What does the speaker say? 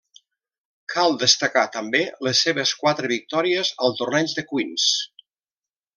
Cal destacar també les seves quatre victòries al torneig de Queens.